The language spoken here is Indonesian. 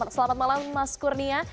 selamat malam mas kurnia